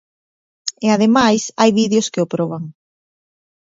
E ademais hai vídeos que o proban.